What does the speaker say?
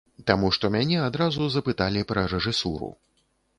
Таму што мяне адразу запыталі пра рэжысуру.